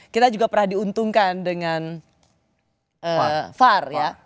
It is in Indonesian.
kita juga pernah diuntungkan dengan var ya